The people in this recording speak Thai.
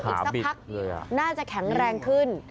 หาบิดเลยอ่ะอีกสักพักน่าจะแข็งแรงขึ้น